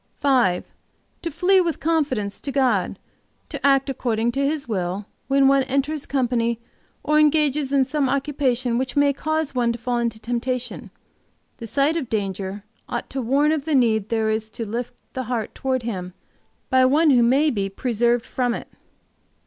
"5. To flee, with confidence, to God, to act according to His will, when one enters company, or engages in some occupation which may cause one to fall into temptation. The sight of danger ought to warn of the need there is to lift the heart toward Him by one who may be preserved from it."